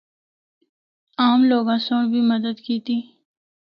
عام لوگاں سنڑ بھی مدد کیتی۔